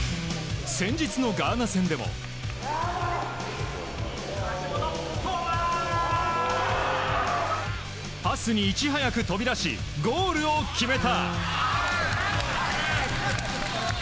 先日のガーナ戦でもパスにいち早く飛び出しゴールを決めた！